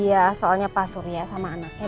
iya soalnya pak surya sama anaknya